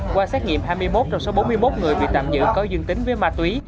qua xét nghiệm hai mươi một trong số bốn mươi một người bị tạm giữ có dương tính với ma túy